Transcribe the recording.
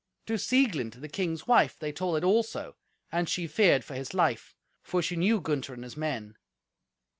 To Sieglind, the king's wife, they told it also, and she feared for his life, for she knew Gunther and his men.